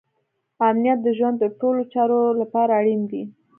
امنیت د ژوند د ټولو چارو لپاره اړین دی.